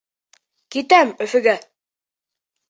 Китәм Өфөгә!